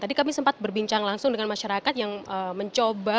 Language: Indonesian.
tadi kami sempat berbincang langsung dengan masyarakat yang mencoba